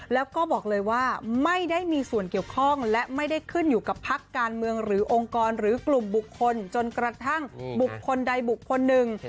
แล้วก็บอกเลยว่าไม่ได้มีส่วนเกี่ยวข้องและไม่ได้ขึ้นอยู่กับพักการเมืองหรือองค์กรหรือกลุ่มบุคคลจนกระทั่งบุคคลใดบุคคลหนึ่ง